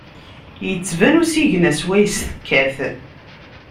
Ittban usigna syawes tekkat.